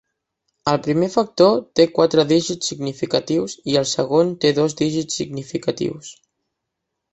El primer factor té quatre dígits significatius i el segon té dos dígits significatius.